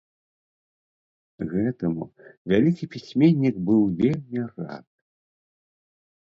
Гэтаму вялікі пісьменнік быў вельмі рад.